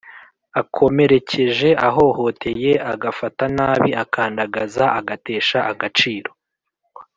akomere keje, ahohoteye, agafata nabi, akandagaza, agatesha agaciro,